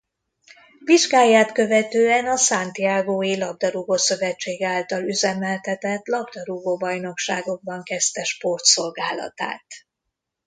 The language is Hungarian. Vizsgáját követően a Santiagói Labdarúgó-szövetsége által üzemeltetett labdarúgó bajnokságokban kezdte sportszolgálatát.